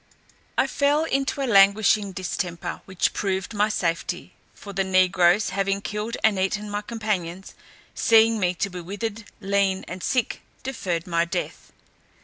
I fell into a languishing distemper, which proved my safety; for the negroes, having killed and eaten my companions, seeing me to be withered, lean, and sick, deferred my death.